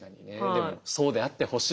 でもそうであってほしい。